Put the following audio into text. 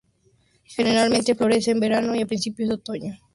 Generalmente florece en verano y a principios de otoño.